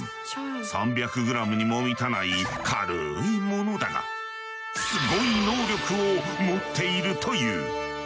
３００グラムにも満たない軽いものだがスゴい能力を持っているという。